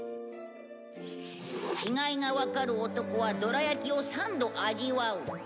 違いがわかる男はどら焼きを三度味わう